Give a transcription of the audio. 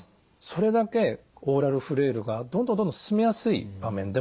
それだけオーラルフレイルがどんどんどんどん進みやすい場面でもある。